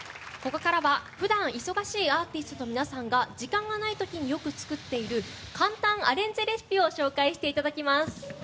ここからは、普段忙しいアーティストの皆さんが時間がない時によく作っている簡単アレンジレシピを紹介していただきます。